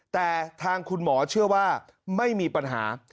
แต่พวกมอบาทเชื่อว่าไม่มีปัญหา